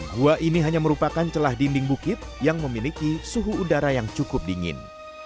gua ini hanya merupakan celah dinding bukit yang memiliki suhu udara yang cukup dingin